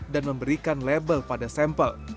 dan memberikan label pada sampel